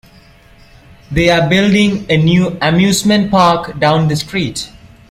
They're building a new amusement park down the street.